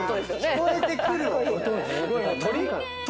聞こえてくる音ね。